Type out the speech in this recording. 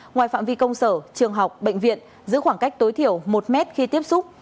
ngoài phạm vi công sở trường học bệnh viện giữ khoảng cách tối thiểu một mét khi tiếp xúc